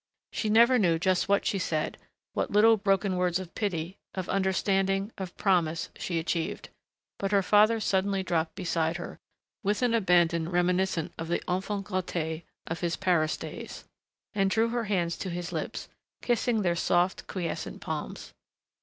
She never knew just what she said, what little broken words of pity, of understanding, of promise, she achieved. But her father suddenly dropped beside her, with an abandon reminiscent of the enfant gâté of his Paris days, and drew her hands to his lips, kissing their soft, quiescent palms....